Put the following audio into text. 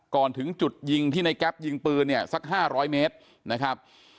ก่อนถึงจุดยิงที่ในแก๊ปยิงปืนเนี่ยสัก๕๐๐เมตรนะครับ